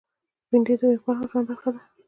بېنډۍ د نېکمرغه ژوند برخه ده